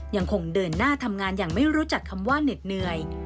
ยังคงเดินหน้าทำงานอย่างไม่รู้จักคำว่าเหน็ดเหนื่อย